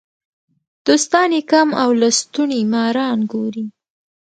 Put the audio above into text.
دوستان یې کم او لستوڼي ماران ګوري.